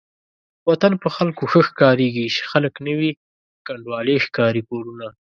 وطن په خلکو ښه ښکاريږي چې خلک نه وي کنډوالې ښکاري کورونه